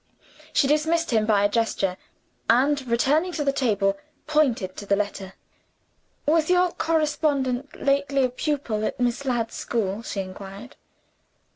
She dismissed him by a gesture; and, returning to the table, pointed to the letter. "Was your correspondent lately a pupil at Miss Ladd's school?" she inquired.